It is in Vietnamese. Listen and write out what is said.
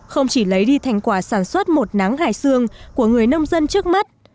không chỉ lấy đi thành quả sản xuất một nắng hải xương của người nông dân trước mắt